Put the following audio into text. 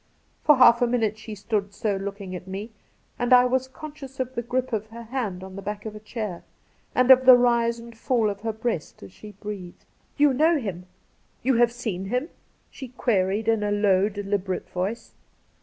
For half a minute she stood so looking at me, and I was conscious of the grip of her hand on the back of a chair, and of the rise and fall of her breast as she breathed. ' You know him ! You have seen him ?' she queried in a low, deliberate voice.